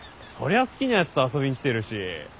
そりゃ好きな奴と遊びに来てるし。